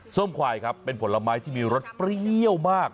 ส้มควายครับเป็นผลไม้ที่มีรสเปรี้ยวมาก